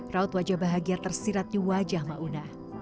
raut wajah bahagia tersirat di wajah maunah